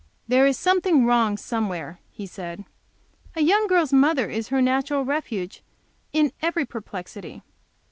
"There is something wrong somewhere," he said, "A young girl's mother is her natural refuge in every perplexity.